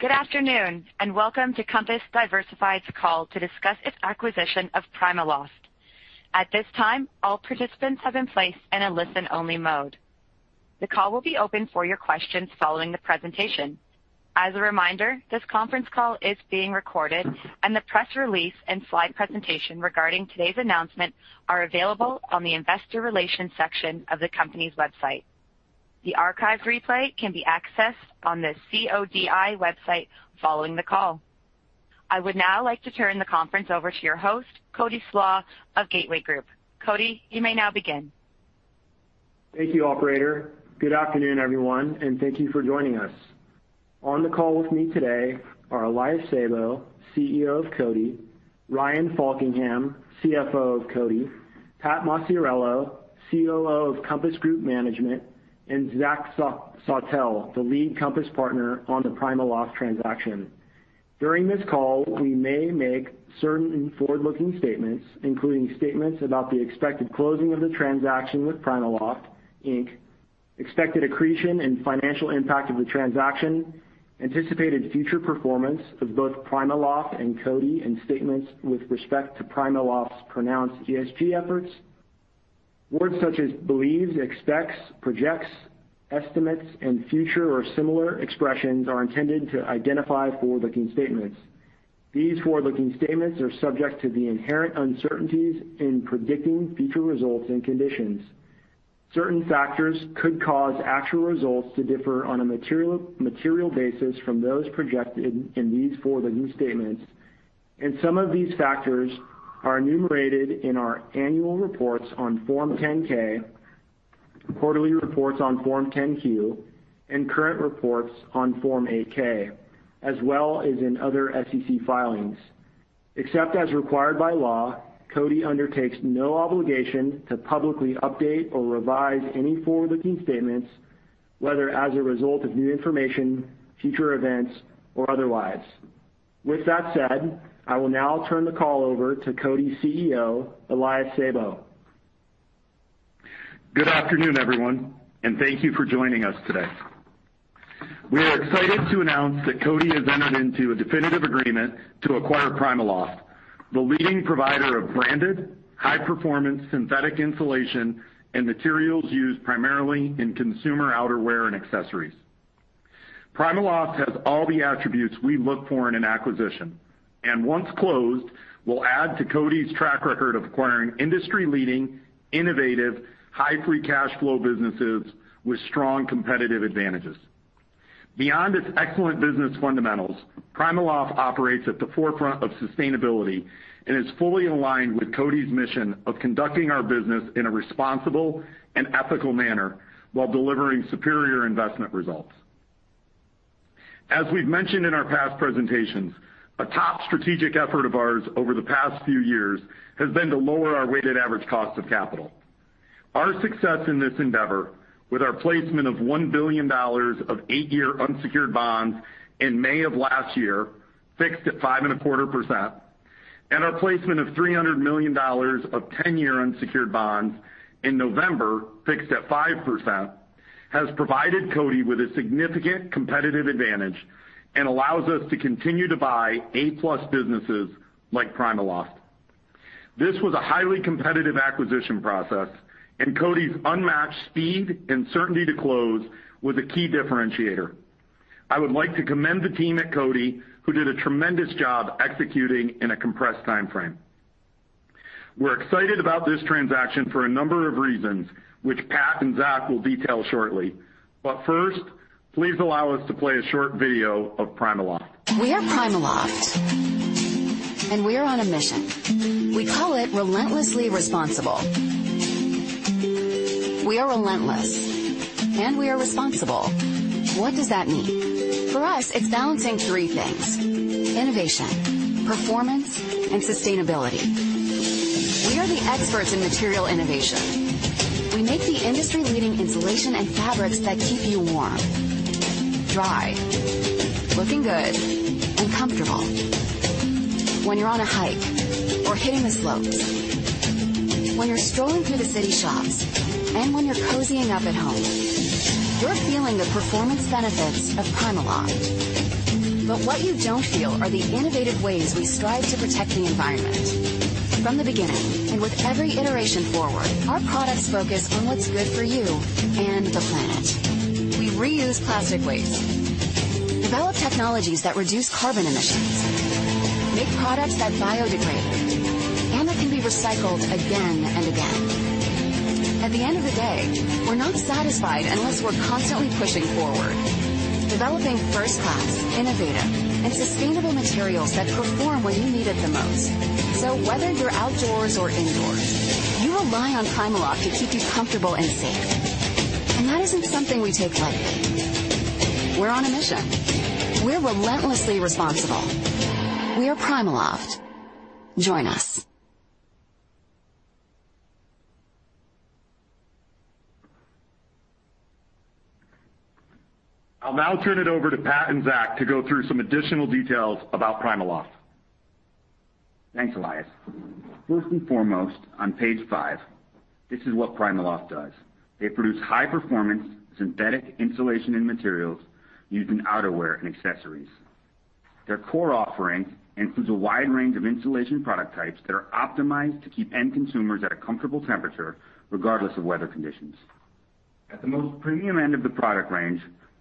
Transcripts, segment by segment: Good afternoon, and welcome to Compass Diversified's call to discuss its acquisition of PrimaLoft. At this time, all participants are placed in a listen-only mode. The call will be open for your questions following the presentation. As a reminder, this conference call is being recorded, and the press release and slide presentation regarding today's announcement are available on the investor relations section of the company's website. The archived replay can be accessed on the CODI website following the call. I would now like to turn the conference over to your host, Cody Slach of Gateway Group. Cody, you may now begin. Thank you, operator. Good afternoon, everyone, and thank you for joining us. On the call with me today are Elias Sabo, CEO of CODI, Ryan Faulkingham, CFO of CODI, Pat Maciariello, COO of Compass Group Management, and Zach Sawtelle, the lead Compass partner on the PrimaLoft transaction. During this call, we may make certain forward-looking statements, including statements about the expected closing of the transaction with PrimaLoft, Inc., expected accretion and financial impact of the transaction, anticipated future performance of both PrimaLoft and CODI, and statements with respect to PrimaLoft's pronounced ESG efforts. Words such as believes, expects, projects, estimates, and future or similar expressions are intended to identify forward-looking statements. These forward-looking statements are subject to the inherent uncertainties in predicting future results and conditions. Certain factors could cause actual results to differ on a material basis from those projected in these forward-looking statements, and some of these factors are enumerated in our annual reports on Form 10-K, quarterly reports on Form 10-Q, and current reports on Form 8-K, as well as in other SEC filings. Except as required by law, CODI undertakes no obligation to publicly update or revise any forward-looking statements, whether as a result of new information, future events or otherwise. With that said, I will now turn the call over to CODI's CEO, Elias Sabo. Good afternoon, everyone, and thank you for joining us today. We are excited to announce that CODI has entered into a definitive agreement to acquire PrimaLoft, the leading provider of branded, high-performance synthetic insulation and materials used primarily in consumer outerwear and accessories. PrimaLoft has all the attributes we look for in an acquisition, and once closed, will add to CODI's track record of acquiring industry-leading, innovative, high free cash flow businesses with strong competitive advantages. Beyond its excellent business fundamentals, PrimaLoft operates at the forefront of sustainability and is fully aligned with CODI's mission of conducting our business in a responsible and ethical manner while delivering superior investment results. As we've mentioned in our past presentations, a top strategic effort of ours over the past few years has been to lower our weighted average cost of capital. Our success in this endeavor with our placement of $1 billion of eight-year unsecured bonds in May of last year, fixed at 5.25%, and our placement of $300 million of 10-year unsecured bonds in November, fixed at 5%, has provided CODI with a significant competitive advantage and allows us to continue to buy A+ businesses like PrimaLoft. This was a highly competitive acquisition process, and CODI's unmatched speed and certainty to close was a key differentiator. I would like to commend the team at CODI who did a tremendous job executing in a compressed timeframe. We're excited about this transaction for a number of reasons, which Pat and Zach will detail shortly. First, please allow us to play a short video of PrimaLoft. We are PrimaLoft, and we're on a mission. We call it Relentlessly Responsible. We are relentless, and we are responsible. What does that mean? For us, it's balancing three things, innovation, performance, and sustainability. We are the experts in material innovation. We make the industry-leading insulation and fabrics that keep you warm, dry, looking good, and comfortable. When you're on a hike or hitting the slopes, when you're strolling through the city shops, and when you're cozying up at home, you're feeling the performance benefits of PrimaLoft. What you don't feel are the innovative ways we strive to protect the environment. From the beginning, and with every iteration forward, our products focus on what's good for you and the planet. We reuse plastic waste, develop technologies that reduce carbon emissions, make products that biodegrade and that can be recycled again and again. At the end of the day, we're not satisfied unless we're constantly pushing forward, developing first-class, innovative, and sustainable materials that perform when you need it the most. Whether you're outdoors or indoors, you rely on PrimaLoft to keep you comfortable and safe. That isn't something we take lightly. We're on a mission. We're Relentlessly Responsible. We are PrimaLoft. Join us. I'll now turn it over to Pat and Zach to go through some additional details about PrimaLoft. Thanks, Elias. First and foremost, on page five, this is what PrimaLoft does. They produce high performance synthetic insulation and materials used in outerwear and accessories. Their core offering includes a wide range of insulation product types that are optimized to keep end consumers at a comfortable temperature regardless of weather conditions. At the most premium end of the product range,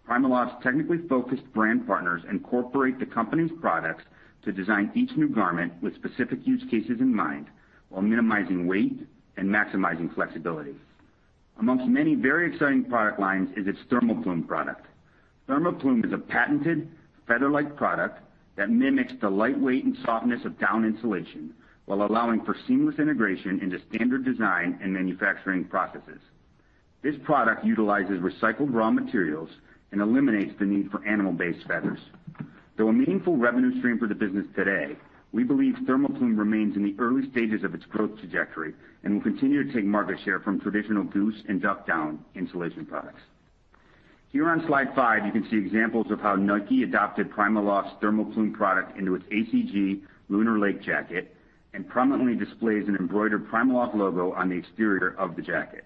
PrimaLoft's technically focused brand partners incorporate the company's products to design each new garment with specific use cases in mind, while minimizing weight and maximizing flexibility. Among many very exciting product lines is its ThermoPlume product. ThermoPlume is a patented feather-like product that mimics the lightweight and softness of down insulation, while allowing for seamless integration into standard design and manufacturing processes. This product utilizes recycled raw materials and eliminates the need for animal-based feathers. Though a meaningful revenue stream for the business today, we believe ThermoPlume remains in the early stages of its growth trajectory and will continue to take market share from traditional goose and duck down insulation products. Here on slide five, you can see examples of how Nike adopted PrimaLoft's ThermoPlume product into its ACG Lunar Lake jacket and prominently displays an embroidered PrimaLoft logo on the exterior of the jacket.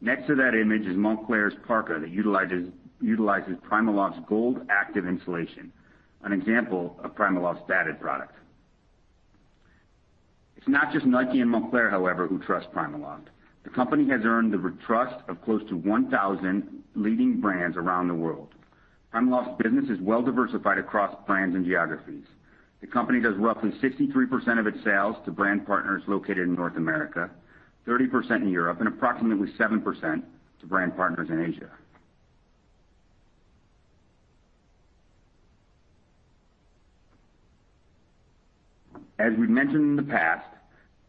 Next to that image is Moncler's parka that utilizes PrimaLoft's Gold Insulation Active insulation, an example of PrimaLoft's padded product. It's not just Nike and Moncler, however, who trust PrimaLoft. The company has earned the trust of close to 1,000 leading brands around the world. PrimaLoft's business is well diversified across brands and geographies. The company does roughly 63% of its sales to brand partners located in North America, 30% in Europe, and approximately 7% to brand partners in Asia. As we've mentioned in the past,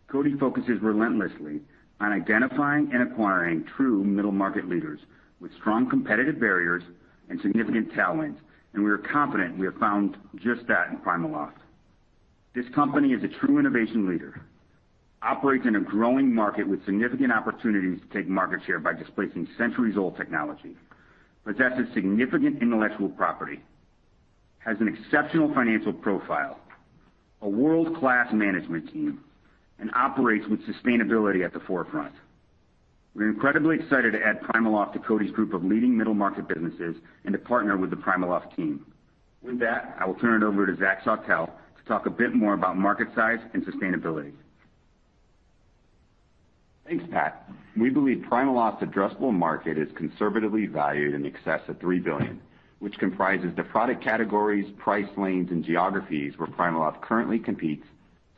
Cody focuses relentlessly on identifying and acquiring true middle market leaders with strong competitive barriers and significant talent, and we are confident we have found just that in PrimaLoft. This company is a true innovation leader, operates in a growing market with significant opportunities to take market share by displacing centuries-old technology, possesses significant intellectual property, has an exceptional financial profile, a world-class management team, and operates with sustainability at the forefront. We're incredibly excited to add PrimaLoft to CODI's group of leading middle market businesses and to partner with the PrimaLoft team. With that, I will turn it over to Zach Sawtelle to talk a bit more about market size and sustainability. Thanks, Pat. We believe PrimaLoft's addressable market is conservatively valued in excess of $3 billion, which comprises the product categories, price lanes, and geographies where PrimaLoft currently competes,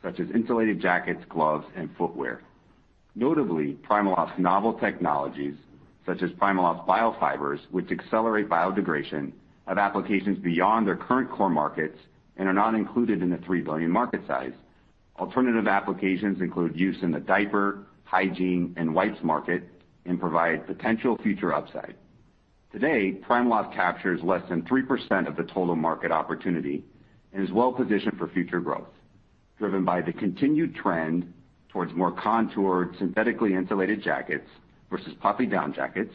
such as insulated jackets, gloves, and footwear. Notably, PrimaLoft's novel technologies, such as PrimaLoft Bio fibers, which accelerate biodegradation of applications beyond their current core markets and are not included in the $3 billion market size. Alternative applications include use in the diaper, hygiene, and wipes market and provide potential future upside. Today, PrimaLoft captures less than 3% of the total market opportunity and is well positioned for future growth, driven by the continued trend towards more contoured synthetically insulated jackets versus puffy down jackets.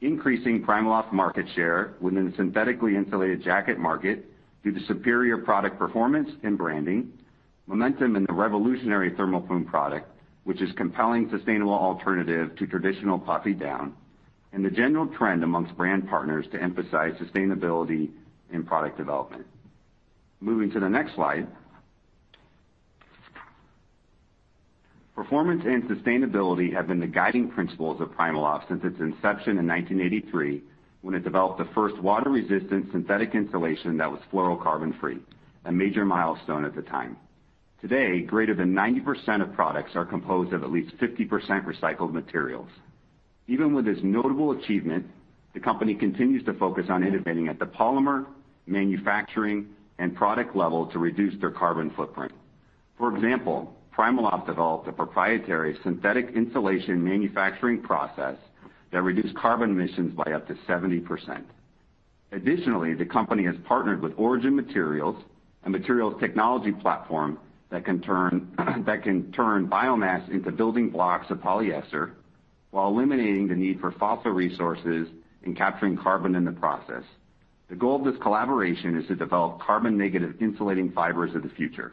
Increasing PrimaLoft market share within the synthetic insulation jacket market due to superior product performance and branding, momentum in the revolutionary ThermoPlume product, which is compelling sustainable alternative to traditional puffy down, and the general trend among brand partners to emphasize sustainability in product development. Moving to the next slide. Performance and sustainability have been the guiding principles of PrimaLoft since its inception in 1983 when it developed the first water-resistant synthetic insulation that was fluorocarbon-free, a major milestone at the time. Today, greater than 90% of products are composed of at least 50% recycled materials. Even with this notable achievement, the company continues to focus on innovating at the polymer, manufacturing, and product level to reduce their carbon footprint. For example, PrimaLoft developed a proprietary synthetic insulation manufacturing process that reduced carbon emissions by up to 70%. Additionally, the company has partnered with Origin Materials, a materials technology platform that can turn biomass into building blocks of polyester while eliminating the need for fossil resources and capturing carbon in the process. The goal of this collaboration is to develop carbon-negative insulating fibers of the future.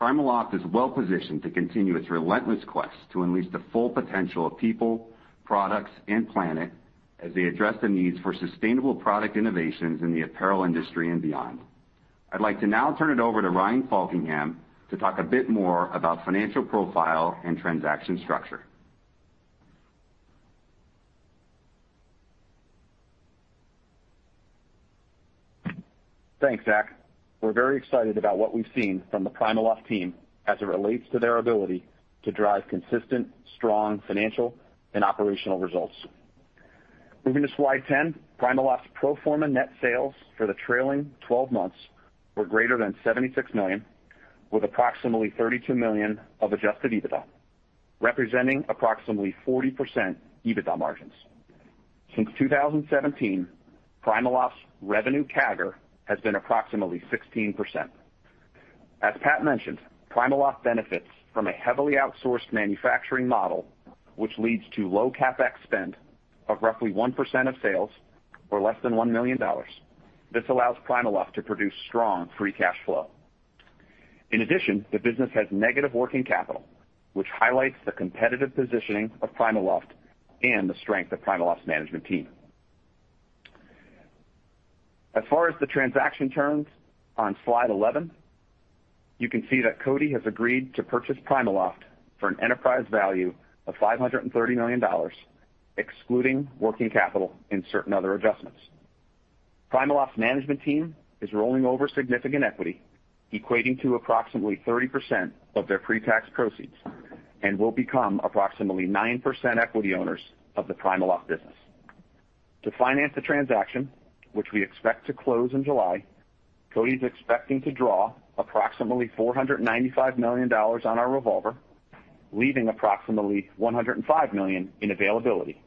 PrimaLoft is well positioned to continue its relentless quest to unleash the full potential of people, products, and planet as they address the needs for sustainable product innovations in the apparel industry and beyond. I'd like to now turn it over to Ryan Faulkingham to talk a bit more about financial profile and transaction structure. Thanks, Zach. We're very excited about what we've seen from the PrimaLoft team as it relates to their ability to drive consistent, strong financial and operational results. Moving to slide 10, PrimaLoft's pro forma net sales for the trailing twelve months were greater than $76 million, with approximately $32 million of adjusted EBITDA, representing approximately 40% EBITDA margins. Since 2017, PrimaLoft's revenue CAGR has been approximately 16%. As Pat mentioned, PrimaLoft benefits from a heavily outsourced manufacturing model, which leads to low CapEx spend of roughly 1% of sales or less than $1 million. This allows PrimaLoft to produce strong free cash flow. In addition, the business has negative working capital, which highlights the competitive positioning of PrimaLoft and the strength of PrimaLoft's management team. As far as the transaction terms, on slide 11, you can see that CODI has agreed to purchase PrimaLoft for an enterprise value of $530 million, excluding working capital and certain other adjustments. PrimaLoft's management team is rolling over significant equity equating to approximately 30% of their pretax proceeds and will become approximately 9% equity owners of the PrimaLoft business. To finance the transaction, which we expect to close in July, CODI is expecting to draw approximately $495 million on our revolver, leaving approximately $105 million in availability,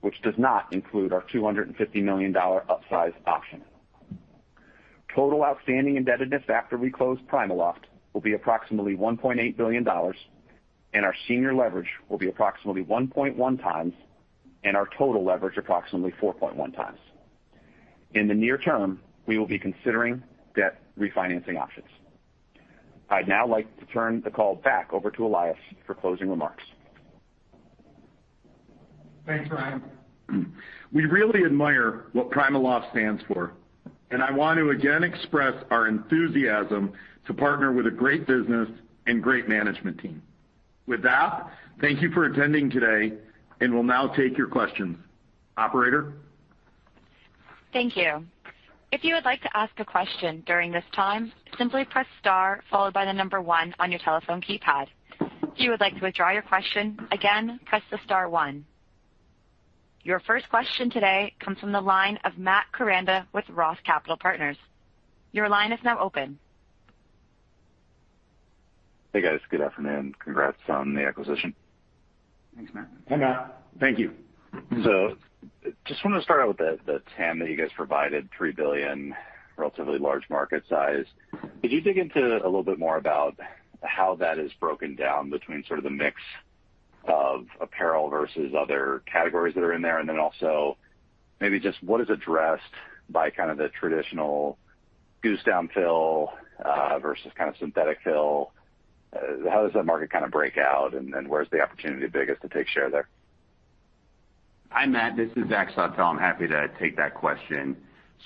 which does not include our $250 million upsize option. Total outstanding indebtedness after we close PrimaLoft will be approximately $1.8 billion, and our senior leverage will be approximately 1.1x and our total leverage approximately 4.1x. In the near term, we will be considering debt refinancing options. I'd now like to turn the call back over to Elias for closing remarks. Thanks, Ryan. We really admire what PrimaLoft stands for, and I want to again express our enthusiasm to partner with a great business and great management team. With that, thank you for attending today, and we'll now take your questions. Operator? Thank you. If you would like to ask a question during this time, simply press star followed by the number one on your telephone keypad. If you would like to withdraw your question, again, press the star one. Your first question today comes from the line of Matt Koranda with ROTH Capital Partners. Your line is now open. Hey, guys. Good afternoon. Congrats on the acquisition. Thanks, Matt. Hey, Matt. Thank you. Just wanted to start out with the TAM that you guys provided, $3 billion, relatively large market size. Could you dig into a little bit more about how that is broken down between sort of the mix of apparel versus other categories that are in there? And then also maybe just what is addressed by kind of the traditional goose down fill versus kind of synthetic fill. How does that market kind of break out, and where's the opportunity biggest to take share there? Hi, Matt, this is Zach Sawtelle. I'm happy to take that question.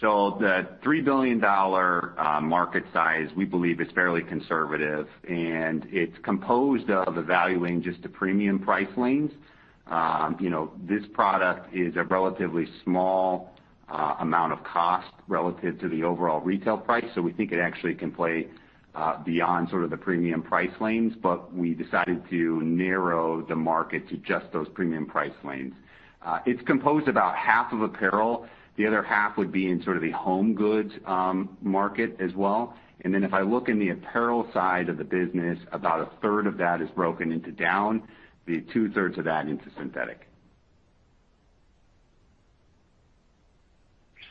The $3 billion market size, we believe is fairly conservative, and it's composed of evaluating just the premium price lanes. You know, this product is a relatively small amount of cost relative to the overall retail price. We think it actually can play beyond sort of the premium price lanes. But we decided to narrow the market to just those premium price lanes. It's composed of about half of apparel. The other half would be in sort of the home goods market as well. If I look in the apparel side of the business, about a third of that is broken into down, the two thirds of that into synthetic.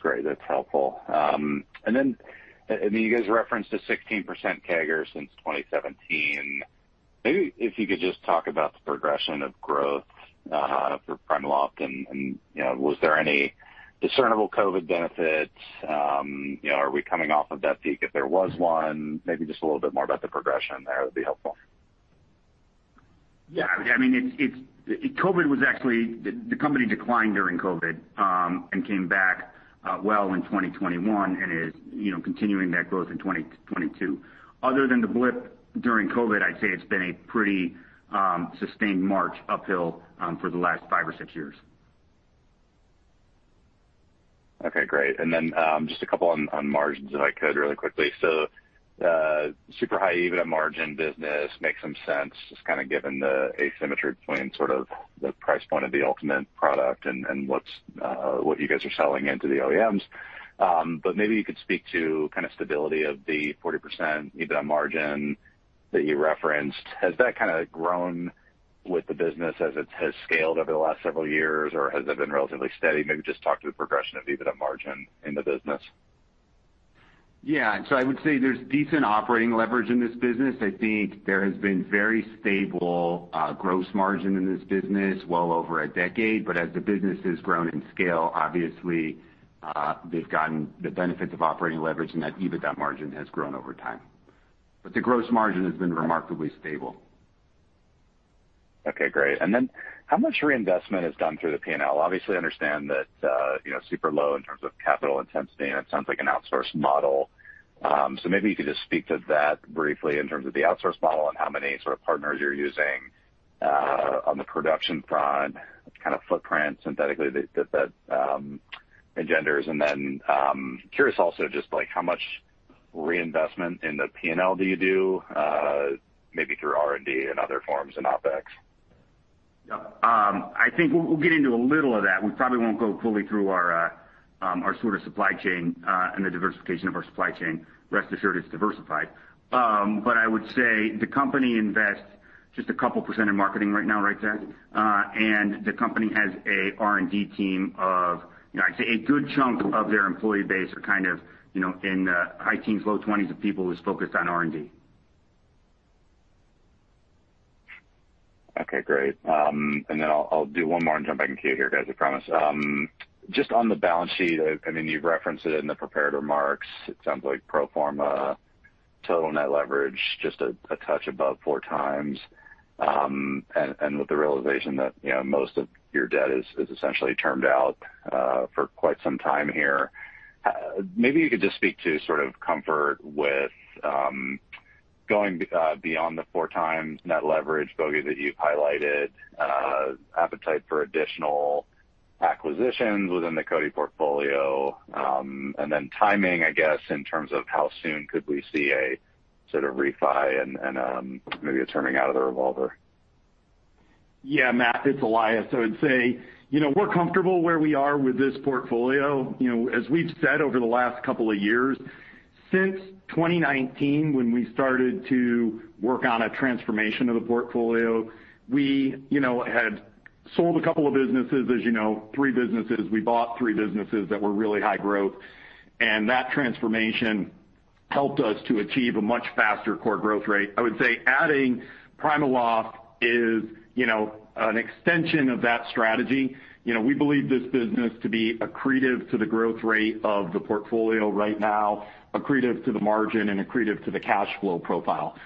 Great. That's helpful. I mean, you guys referenced a 16% CAGR since 2017. Maybe if you could just talk about the progression of growth for PrimaLoft, and you know, was there any discernible COVID benefits? You know, are we coming off of that peak if there was one? Maybe just a little bit more about the progression there would be helpful. Yeah. I mean, the company declined during COVID and came back well in 2021 and is, you know, continuing that growth in 2022. Other than the blip during COVID, I'd say it's been a pretty sustained march uphill for the last five or six years. Okay, great. Just a couple on margins, if I could, really quickly. Super high EBITDA margin business makes some sense, just kind of given the asymmetry between sort of the price point of the ultimate product and what you guys are selling into the OEMs. Maybe you could speak to kind of stability of the 40% EBITDA margin that you referenced. Has that kind of grown with the business as it has scaled over the last several years, or has it been relatively steady? Maybe just talk to the progression of EBITDA margin in the business. Yeah. I would say there's decent operating leverage in this business. I think there has been very stable gross margin in this business well over a decade. As the business has grown in scale, obviously, they've gotten the benefits of operating leverage, and that EBITDA margin has grown over time. The gross margin has been remarkably stable. Okay, great. How much reinvestment is done through the P&L? Obviously, I understand that, you know, super low in terms of capital intensity, and it sounds like an outsourced model. Maybe you could just speak to that briefly in terms of the outsourced model and how many sort of partners you're using, on the production front, kind of footprint synthetically that engenders. Curious also just like how much reinvestment in the P&L do you do, maybe through R&D and other forms and OpEx? Yeah. I think we'll get into a little of that. We probably won't go fully through our sort of supply chain and the diversification of our supply chain. Rest assured, it's diversified. But I would say the company invests just a couple% in marketing right now, right, Zach? The company has a R&D team of, you know, I'd say a good chunk of their employee base are kind of, you know, in the high teens, low twenties of people who's focused on R&D. Okay, great. I'll do one more and jump back in queue here, guys, I promise. Just on the balance sheet, I mean, you've referenced it in the prepared remarks. It sounds like pro forma total net leverage just a touch above 4x. With the realization that, you know, most of your debt is essentially termed out for quite some time here. Maybe you could just speak to sort of comfort with going beyond the 4x net leverage bogey that you've highlighted, appetite for additional acquisitions within the CODI portfolio, and then timing, I guess, in terms of how soon could we see a sort of refi and maybe a turning out of the revolver. Yeah, Matt, it's Elias. I would say, you know, we're comfortable where we are with this portfolio. You know, as we've said over the last couple of years, since 2019 when we started to work on a transformation of the portfolio, we, you know, had sold a couple of businesses, as you know, three businesses. We bought three businesses that were really high growth, and that transformation helped us to achieve a much faster core growth rate. I would say adding PrimaLoft is, you know, an extension of that strategy. You know, we believe this business to be accretive to the growth rate of the portfolio right now, accretive to the margin and accretive to the cash flow profile.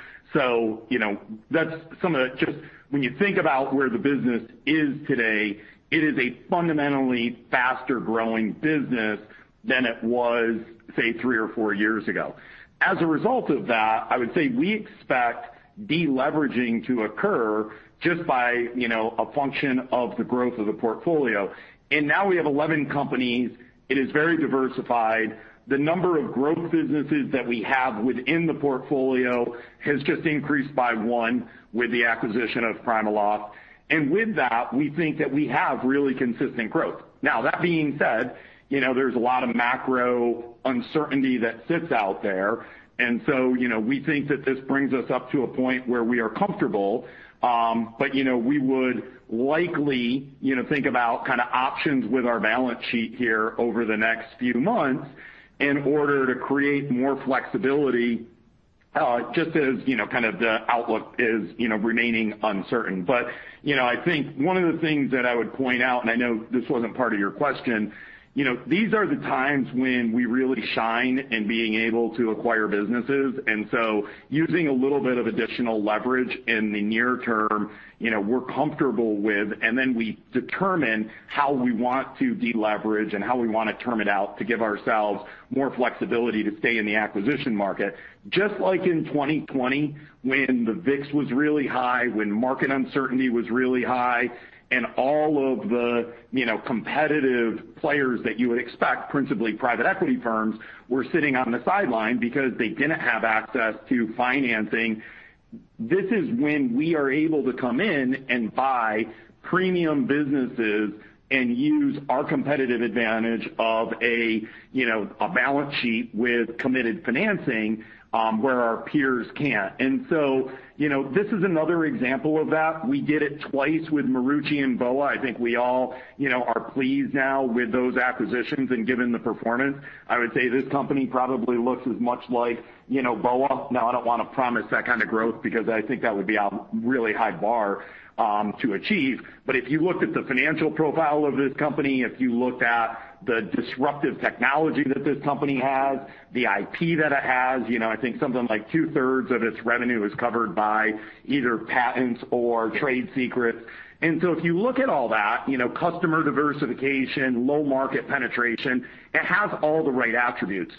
You know, that's some of the just when you think about where the business is today, it is a fundamentally faster growing business than it was, say, three or four years ago. As a result of that, I would say we expect deleveraging to occur just by, you know, a function of the growth of the portfolio. Now we have 11 companies. It is very diversified. The number of growth businesses that we have within the portfolio has just increased by one with the acquisition of PrimaLoft. With that, we think that we have really consistent growth. Now, that being said, you know, there's a lot of macro uncertainty that sits out there. You know, we think that this brings us up to a point where we are comfortable, but you know, we would likely, you know, think about kind of options with our balance sheet here over the next few months in order to create more flexibility, just as, you know, kind of the outlook is, you know, remaining uncertain. you know, I think one of the things that I would point out, and I know this wasn't part of your question, you know, these are the times when we really shine in being able to acquire businesses. using a little bit of additional leverage in the near term, you know, we're comfortable with, and then we determine how we want to deleverage and how we want to term it out to give ourselves more flexibility to stay in the acquisition market. Just like in 2020 when the VIX was really high, when market uncertainty was really high and all of the, you know, competitive players that you would expect, principally private equity firms, were sitting on the sideline because they didn't have access to financing. This is when we are able to come in and buy premium businesses and use our competitive advantage of a, you know, a balance sheet with committed financing, where our peers can't. You know, this is another example of that. We did it twice with Marucci and BOA. I think we all, you know, are pleased now with those acquisitions and given the performance. I would say this company probably looks as much like, you know, BOA. Now, I don't want to promise that kind of growth because I think that would be a really high bar to achieve. If you looked at the financial profile of this company, if you looked at the disruptive technology that this company has, the IP that it has, you know, I think something like two-thirds of its revenue is covered by either patents or trade secrets. If you look at all that, you know, customer diversification, low market penetration, it has all the right attributes.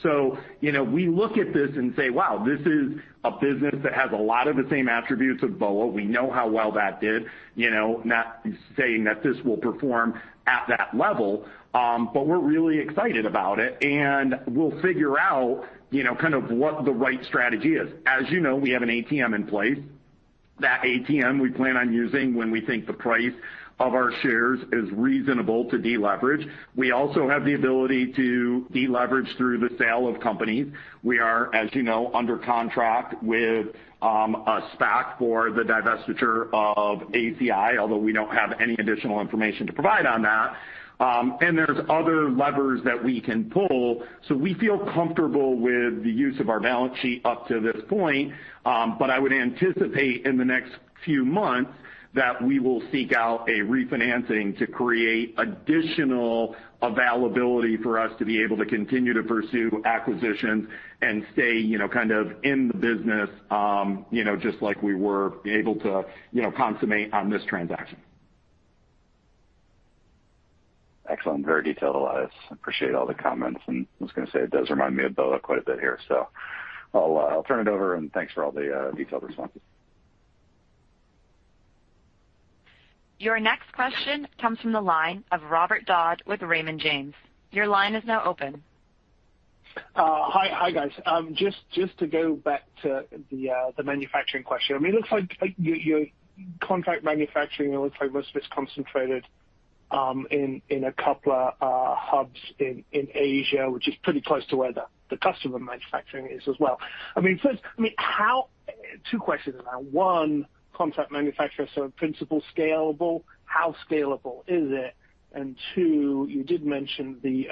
You know, we look at this and say, wow, this is a business that has a lot of the same attributes of BOA. We know how well that did. You know, not saying that this will perform at that level, but we're really excited about it, and we'll figure out, you know, kind of what the right strategy is. As you know, we have an ATM in place. That ATM we plan on using when we think the price of our shares is reasonable to deleverage. We also have the ability to deleverage through the sale of companies. We are, as you know, under contract with a SPAC for the divestiture of ACI, although we don't have any additional information to provide on that. There's other levers that we can pull. We feel comfortable with the use of our balance sheet up to this point. I would anticipate in the next few months that we will seek out a refinancing to create additional availability for us to be able to continue to pursue acquisitions and stay, you know, kind of in the business, you know, just like we were able to, you know, consummate on this transaction. Excellent. Very detailed, Elias. Appreciate all the comments, and I was gonna say it does remind me of BOA quite a bit here. I'll turn it over and thanks for all the detailed responses. Your next question comes from the line of Robert Dodd with Raymond James. Your line is now open. Hi, guys. Just to go back to the manufacturing question. I mean, it looks like your contract manufacturing. It looks like most of it's concentrated in a couple of hubs in Asia, which is pretty close to where the customer manufacturing is as well. I mean, two questions around. One, contract manufacturer, so principally scalable, how scalable is it? And two, you did mention it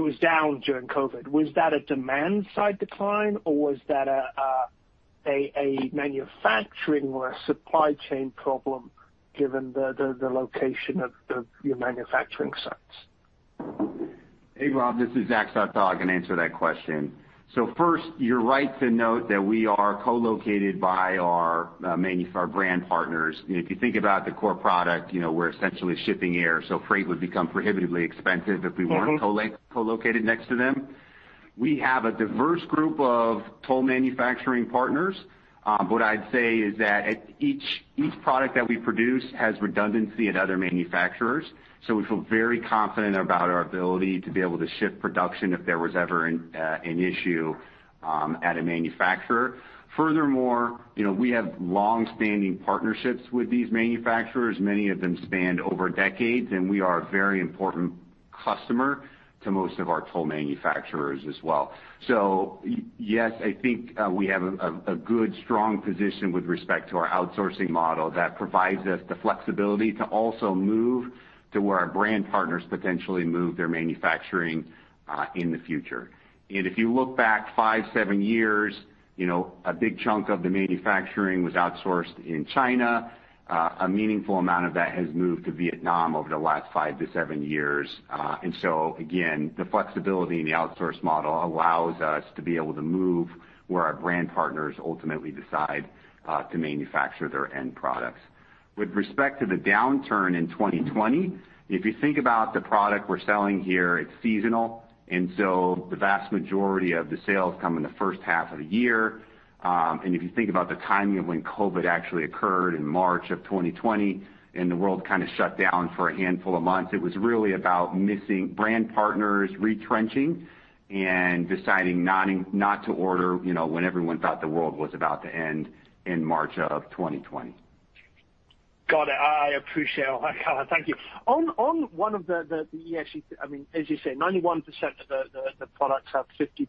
was down during COVID. Was that a demand side decline, or was that a manufacturing or a supply chain problem given the location of your manufacturing sites? Hey, Rob, this is Zach Sawtelle. I can answer that question. First, you're right to note that we are co-located by our brand partners. You know, if you think about the core product, you know, we're essentially shipping air, so freight would become prohibitively expensive if we weren't co-located next to them. We have a diverse group of toll manufacturing partners. What I'd say is that at each product that we produce has redundancy at other manufacturers, so we feel very confident about our ability to be able to shift production if there was ever an issue at a manufacturer. Furthermore, you know, we have long-standing partnerships with these manufacturers. Many of them spanned over decades, and we are a very important customer to most of our toll manufacturers as well. Yes, I think we have a good strong position with respect to our outsourcing model that provides us the flexibility to also move to where our brand partners potentially move their manufacturing in the future. If you look back five, seven years, you know, a big chunk of the manufacturing was outsourced in China. A meaningful amount of that has moved to Vietnam over the last five to seven years. Again, the flexibility in the outsource model allows us to be able to move where our brand partners ultimately decide to manufacture their end products. With respect to the downturn in 2020, if you think about the product we're selling here, it's seasonal, and so the vast majority of the sales come in the first half of the year. If you think about the timing of when COVID actually occurred in March of 2020 and the world kind of shut down for a handful of months, it was really about missing brand partners retrenching and deciding not to order, you know, when everyone thought the world was about to end in March of 2020. Got it. I appreciate all that, Zach. Thank you. On one of the ESG, I mean, as you say, 91% of the products have 50%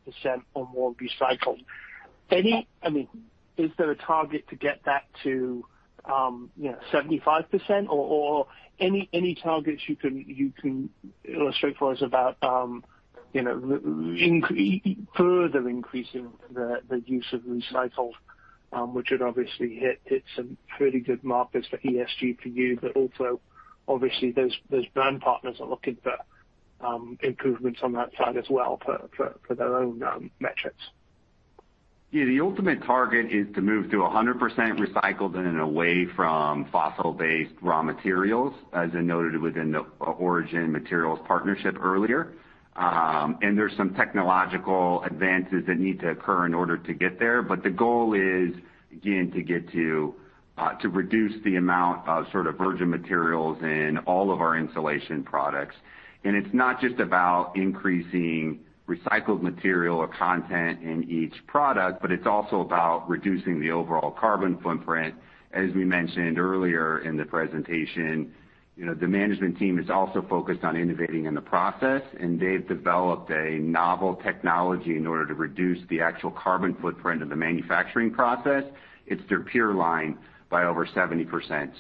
or more recycled. I mean, is there a target to get that to, you know, 75% or any targets you can illustrate for us about, you know, further increasing the use of recycled, which would obviously hit some fairly good markers for ESG for you, but also obviously those brand partners are looking for improvements on that side as well for their own metrics. Yeah. The ultimate target is to move to 100% recycled and away from fossil-based raw materials, as I noted within the Origin Materials partnership earlier. There's some technological advances that need to occur in order to get there. The goal is, again, to reduce the amount of sort of virgin materials in all of our insulation products. It's not just about increasing recycled material or content in each product, but it's also about reducing the overall carbon footprint. As we mentioned earlier in the presentation, you know, the management team is also focused on innovating in the process, and they've developed a novel technology in order to reduce the actual carbon footprint of the manufacturing process. It's their P.U.R.E. line by over 70%.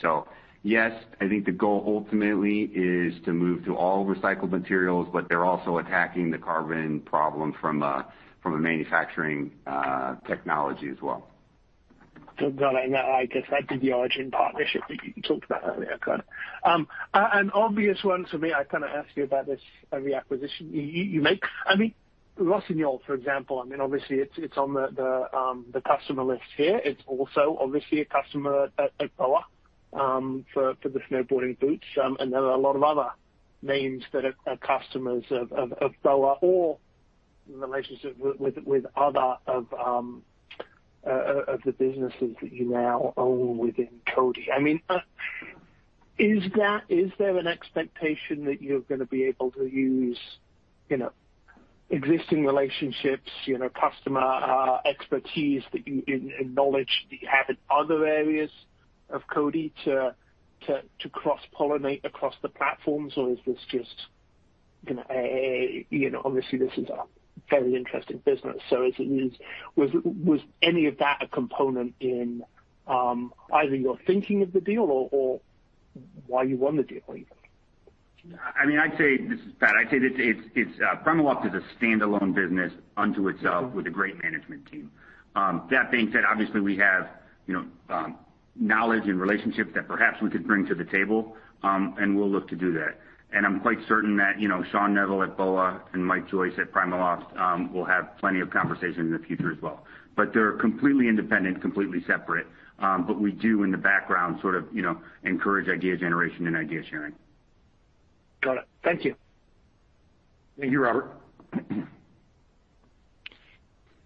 Yes, I think the goal ultimately is to move to all recycled materials, but they're also attacking the carbon problem from a manufacturing technology as well. Got it. That I guess that's the Origin partnership that you talked about earlier, Zach. An obvious one for me, I kind of ask you about this every acquisition you make. I mean, Rossignol, for example, I mean, obviously it's on the customer list here. It's also obviously a customer at BOA for the snowboarding boots. There are a lot of other names that are customers of BOA or in relationship with others of the businesses that you now own within CODI. I mean, is there an expectation that you're gonna be able to use, you know, existing relationships, you know, customer expertise that you acknowledge that you have in other areas of CODI to cross-pollinate across the platforms? Is this just, you know, you know, obviously this is a very interesting business. Was any of that a component in either your thinking of the deal or why you won the deal even? I mean, I'd say this is Pat. I'd say that it's PrimaLoft is a standalone business unto itself with a great management team. That being said, obviously we have, you know, knowledge and relationships that perhaps we could bring to the table, and we'll look to do that. I'm quite certain that, you know, Shawn Neville at BOA and Mike Joyce at PrimaLoft will have plenty of conversation in the future as well. They're completely independent, completely separate. We do in the background sort of, you know, encourage idea generation and idea sharing. Got it. Thank you. Thank you, Robert.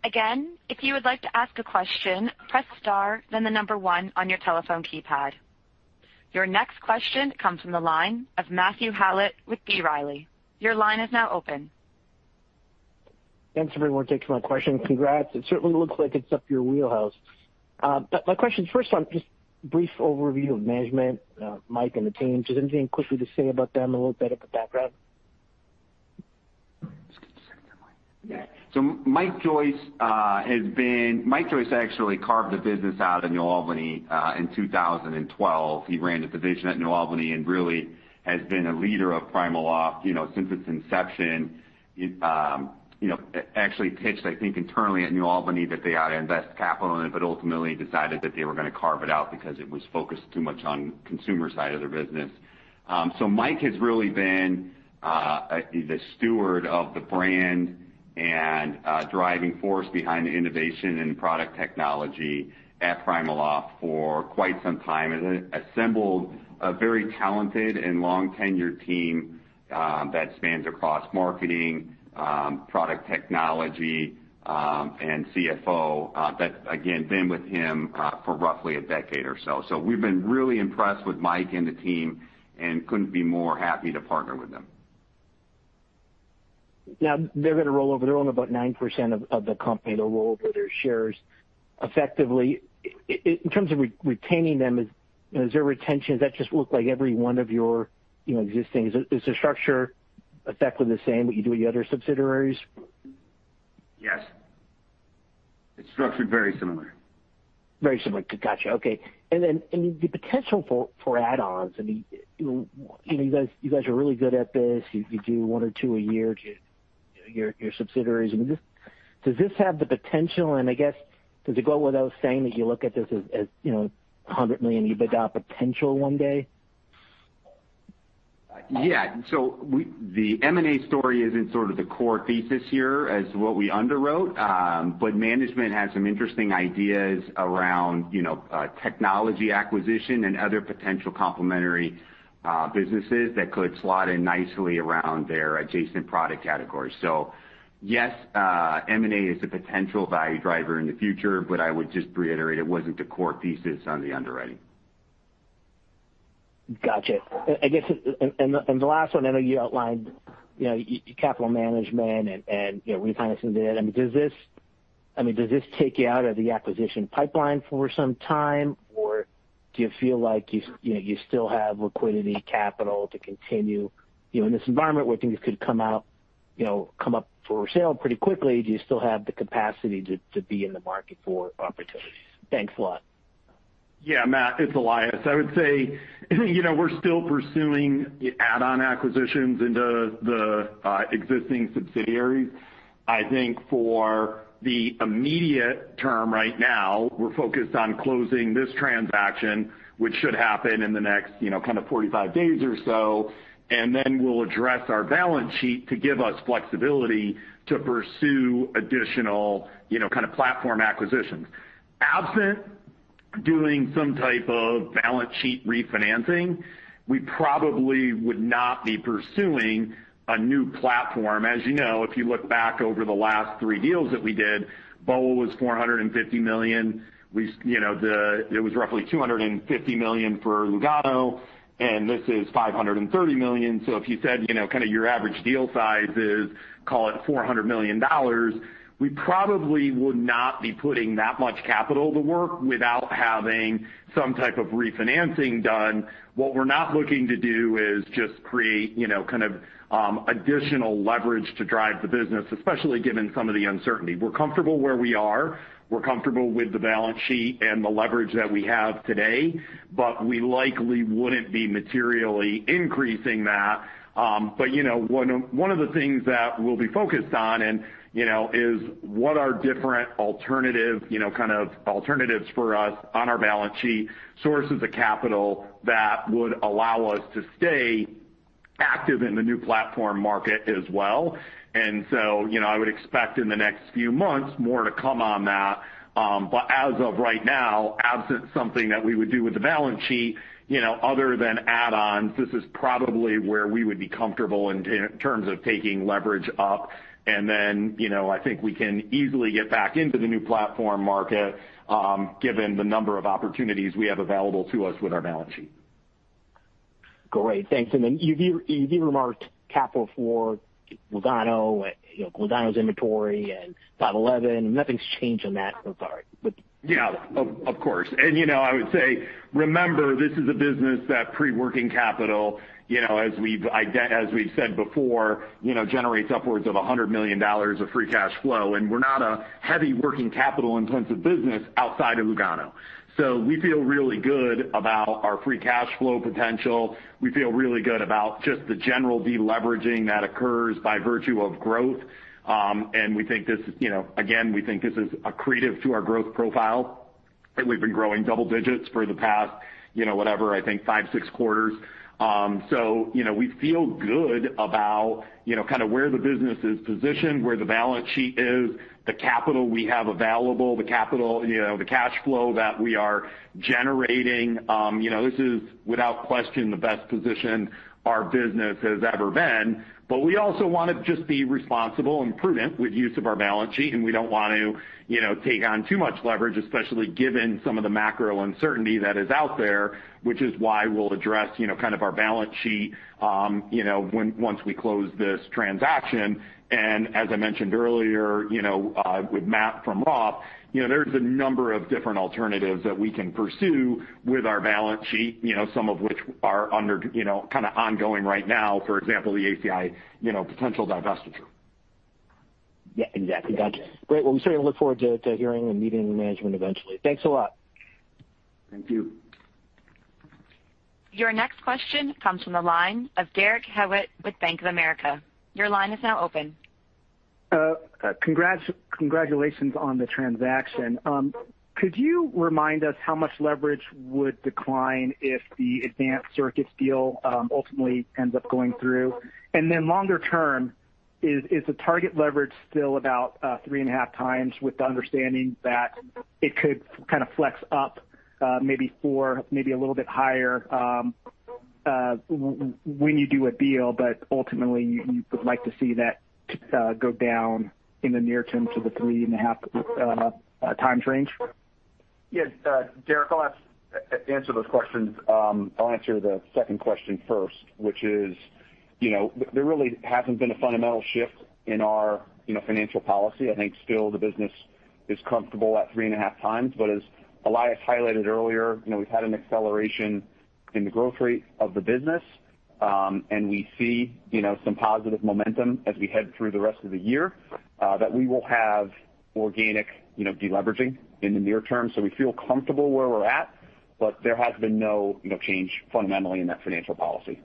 Again, if you would like to ask a question, press star then one on your telephone keypad. Your next question comes from the line of Matthew Howlett with B. Riley. Your line is now open. Thanks, everyone. Thanks for my question. Congrats. It certainly looks like it's up your wheelhouse. My question first on just brief overview of management, Mike and the team. Just anything quickly to say about them, a little bit of the background. Yeah. Mike Joyce actually carved the business out of Albany International in 2012. He ran a division at Albany International and really has been a leader of PrimaLoft, you know, since its inception. You know, actually pitched, I think, internally at Albany International that they ought to invest capital in it, but ultimately decided that they were gonna carve it out because it was focused too much on consumer side of their business. Mike has really been the steward of the brand and driving force behind the innovation and product technology at PrimaLoft for quite some time, and then assembled a very talented and long tenured team that spans across marketing, product technology, and CFO that again been with him for roughly a decade or so. We've been really impressed with Mike and the team and couldn't be more happy to partner with him. Now they're gonna roll over. They own about 9% of the company. They'll roll over their shares effectively. In terms of retaining them, is their retention, does that just look like every one of your, you know, existing. Is the structure effectively the same, what you do with your other subsidiaries? Yes. It's structured very similar. Very similar. Gotcha. Okay. The potential for add-ons, I mean, you know, you guys are really good at this. You do one or two a year to your subsidiaries. I mean, does this have the potential, and I guess, does it go without saying that you look at this as, you know, $100 million EBITDA potential one day? Yeah. The M&A story isn't sort of the core thesis here as what we underwrote. Management has some interesting ideas around, you know, technology acquisition and other potential complementary businesses that could slot in nicely around their adjacent product categories. Yes, M&A is a potential value driver in the future, but I would just reiterate it wasn't the core thesis on the underwriting. Gotcha. I guess the last one, I know you outlined, you know, your capital management and you know, refinancing the debt. I mean, does this take you out of the acquisition pipeline for some time? Or do you feel like you know, you still have liquidity, capital to continue, you know, in this environment where things could come up for sale pretty quickly, do you still have the capacity to be in the market for opportunities? Thanks a lot. Yeah, Matt, it's Elias. I would say, you know, we're still pursuing add-on acquisitions into the existing subsidiaries. I think for the immediate term, right now, we're focused on closing this transaction, which should happen in the next, you know, kind of 45 days or so, and then we'll address our balance sheet to give us flexibility to pursue additional, you know, kind of platform acquisitions. Absent doing some type of balance sheet refinancing, we probably would not be pursuing a new platform. As you know, if you look back over the last three deals that we did, BOA was $450 million. We, you know, it was roughly $250 million for Lugano, and this is $530 million. If you said, you know, kinda your average deal size is, call it $400 million, we probably would not be putting that much capital to work without having some type of refinancing done. What we're not looking to do is just create, you know, kind of, additional leverage to drive the business, especially given some of the uncertainty. We're comfortable where we are. We're comfortable with the balance sheet and the leverage that we have today, but we likely wouldn't be materially increasing that. You know, one of the things that we'll be focused on and, you know, is what are different alternative, you know, kind of alternatives for us on our balance sheet, sources of capital that would allow us to stay active in the new platform market as well. You know, I would expect in the next few months more to come on that. As of right now, absent something that we would do with the balance sheet, you know, other than add-ons, this is probably where we would be comfortable in terms of taking leverage up. Then, you know, I think we can easily get back into the new platform market, given the number of opportunities we have available to us with our balance sheet. Great. Thanks. Then you've remarked capital for Lugano, you know, Lugano's inventory and 5.11. Nothing's changed on that so far, but. Yeah, of course. You know, I would say, remember, this is a business that pre-working capital, you know, as we've said before, you know, generates upwards of $100 million of free cash flow, and we're not a heavy working capital-intensive business outside of Lugano. We feel really good about our free cash flow potential. We feel really good about just the general deleveraging that occurs by virtue of growth. We think this is, you know, again, we think this is accretive to our growth profile. We've been growing double digits for the past, you know, whatever, I think 5, 6 quarters. You know, we feel good about, you know, kinda where the business is positioned, where the balance sheet is, the capital we have available, you know, the cash flow that we are generating. You know, this is without question the best position our business has ever been, but we also wanna just be responsible and prudent with use of our balance sheet, and we don't want to, you know, take on too much leverage, especially given some of the macro uncertainty that is out there, which is why we'll address, you know, kind of our balance sheet, once we close this transaction. As I mentioned earlier, you know, with Matt from Roth, you know, there's a number of different alternatives that we can pursue with our balance sheet, you know, some of which are under, you know, kinda ongoing right now, for example, the ACI potential divestiture. Yeah, exactly. Gotcha. Great. Well, we certainly look forward to hearing and meeting the management eventually. Thanks a lot. Thank you. Your next question comes from the line of Derek Hewett with Bank of America. Your line is now open. Congrats. Congratulations on the transaction. Could you remind us how much leverage would decline if the Advanced Circuits deal ultimately ends up going through? Then longer term, is the target leverage still about 3.5x with the understanding that it could kinda flex up, maybe four, maybe a little bit higher, when you do a deal, but ultimately you would like to see that go down in the near term to the 3.5x range? Yes, Derek, I'll answer those questions. I'll answer the second question first, which is, you know, there really hasn't been a fundamental shift in our, you know, financial policy. I think still the business is comfortable at 3.5x. As Elias highlighted earlier, you know, we've had an acceleration in the growth rate of the business, and we see, you know, some positive momentum as we head through the rest of the year, that we will have organic, you know, de-leveraging in the near term. We feel comfortable where we're at, but there has been no, you know, change fundamentally in that financial policy.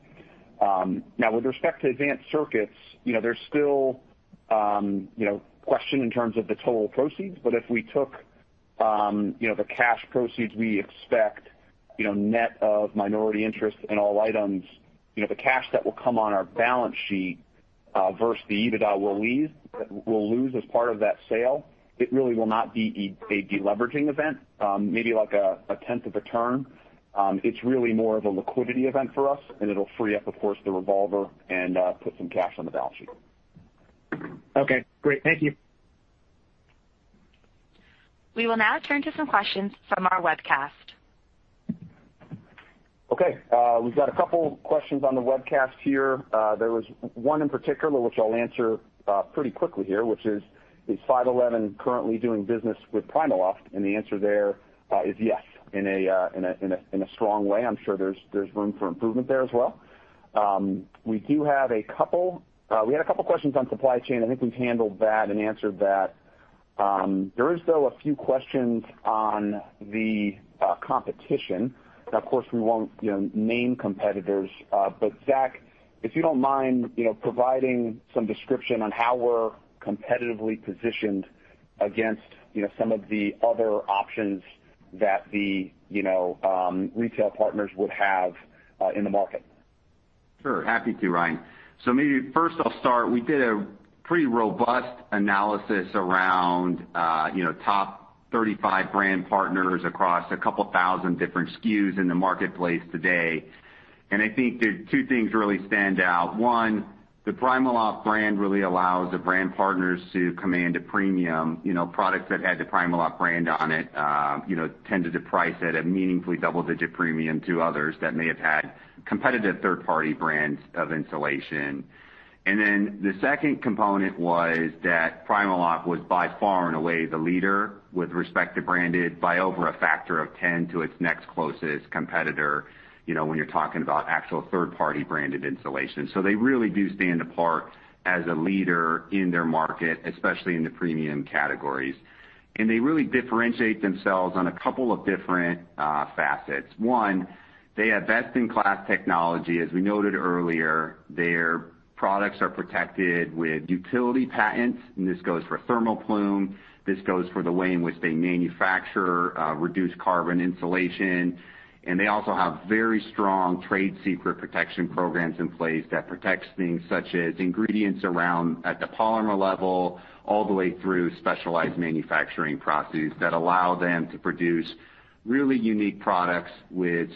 Now with respect to Advanced Circuits, you know, there's still, you know, question in terms of the total proceeds, but if we took, you know, the cash proceeds, we expect, you know, net of minority interest in all items, you know, the cash that will come on our balance sheet, versus the EBITDA we'll lose as part of that sale, it really will not be a de-leveraging event, maybe like a tenth of a turn. It's really more of a liquidity event for us, and it'll free up, of course, the revolver and put some cash on the balance sheet. Okay, great. Thank you. We will now turn to some questions from our webcast. Okay. We've got a couple questions on the webcast here. There was one in particular, which I'll answer pretty quickly here, which is 5.11 currently doing business with PrimaLoft? The answer there is yes, in a strong way. I'm sure there's room for improvement there as well. We do have a couple questions on supply chain. I think we've handled that and answered that. There is, though, a few questions on the competition. Now, of course, we won't name competitors, but Zach, if you don't mind, providing some description on how we're competitively positioned against some of the other options that the retail partners would have in the market. Sure. Happy to, Ryan. Maybe first I'll start. We did a pretty robust analysis around, you know, top 35 brand partners across a couple thousand different SKUs in the marketplace today. I think there are two things really stand out. One, the PrimaLoft brand really allows the brand partners to command a premium. You know, products that had the PrimaLoft brand on it, you know, tended to price at a meaningfully double-digit premium to others that may have had competitive third-party brands of insulation. Then the second component was that PrimaLoft was by far and away the leader with respect to branded by over a factor of 10 to its next closest competitor, you know, when you're talking about actual third-party branded insulation. They really do stand apart as a leader in their market, especially in the premium categories. They really differentiate themselves on a couple of different facets. One, they have best-in-class technology. As we noted earlier, their products are protected with utility patents, and this goes for ThermoPlume. This goes for the way in which they manufacture reduced carbon insulation. They also have very strong trade secret protection programs in place that protects things such as ingredients around at the polymer level all the way through specialized manufacturing processes that allow them to produce really unique products with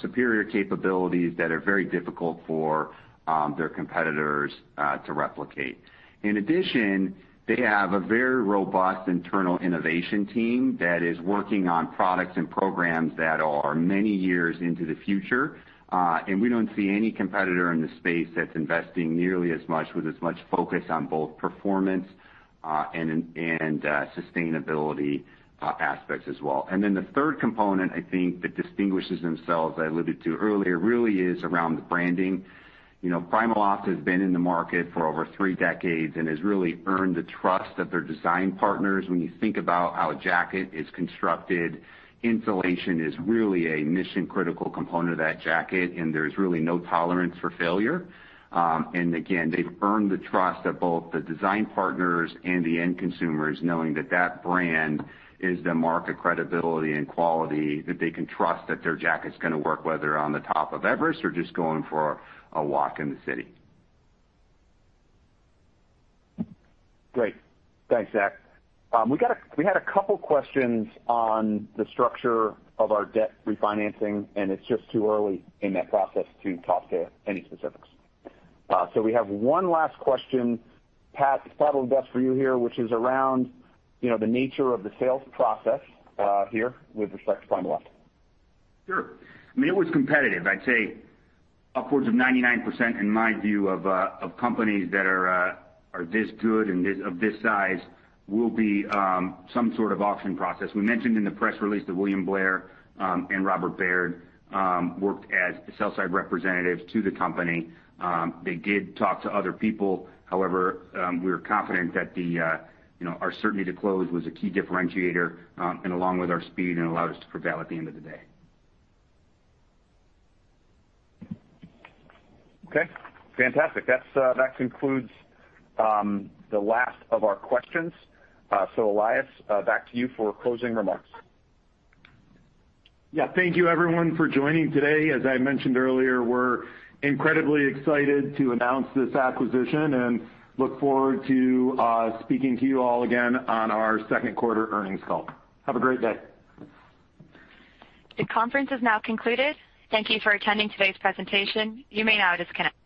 superior capabilities that are very difficult for their competitors to replicate. In addition, they have a very robust internal innovation team that is working on products and programs that are many years into the future, and we don't see any competitor in the space that's investing nearly as much with as much focus on both performance and sustainability aspects as well. The third component, I think, that distinguishes themselves, I alluded to earlier, really is around the branding. You know, PrimaLoft has been in the market for over three decades and has really earned the trust of their design partners. When you think about how a jacket is constructed, insulation is really a mission-critical component of that jacket, and there's really no tolerance for failure. Again, they've earned the trust of both the design partners and the end consumers knowing that that brand is the mark of credibility and quality that they can trust that their jacket's gonna work, whether on the top of Everest or just going for a walk in the city. Great. Thanks, Zach. We had a couple questions on the structure of our debt refinancing, and it's just too early in that process to talk to any specifics. We have one last question. Pat, it's probably best for you here, which is around, you know, the nature of the sales process here with respect to PrimaLoft. Sure. I mean, it was competitive. I'd say upwards of 99%, in my view, of companies that are this good and of this size will be some sort of auction process. We mentioned in the press release that William Blair and Robert W. Baird worked as sell-side representatives to the company. They did talk to other people. However, we're confident that, you know, our certainty to close was a key differentiator, and along with our speed and allowed us to prevail at the end of the day. Okay, fantastic. That concludes the last of our questions. Elias, back to you for closing remarks. Yeah. Thank you everyone for joining today. As I mentioned earlier, we're incredibly excited to announce this acquisition and look forward to speaking to you all again on our second quarter earnings call. Have a great day. The conference is now concluded. Thank you for attending today's presentation. You may now disconnect.